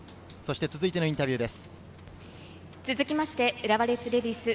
続いてのインタビューです。